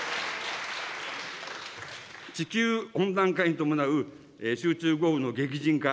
地球温暖化に伴う集中豪雨の激甚化、